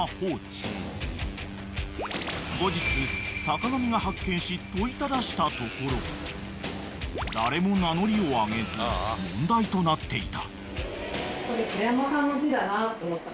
［後日坂上が発見し問いただしたところ誰も名乗りを上げず問題となっていた］